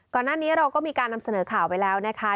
ก่อนหน้านี้เราก็มีการนำเสนอข่าวไปแล้วนะคะ